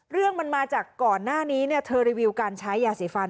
เรื่องมันมาจากก่อนหน้านี้เธอรีวิวการใช้ยาสีฟัน